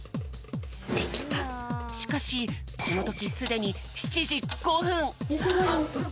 しかしこのときすでに７じ５ふん。